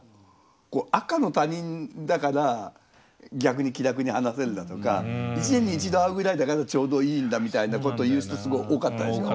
こう赤の他人だから逆に気楽に話せるだとか一年に一度会うぐらいだからちょうどいいんだみたいなことを言う人すごい多かったでしょ。